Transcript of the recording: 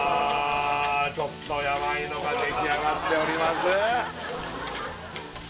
ちょっとヤバいのができあがっております！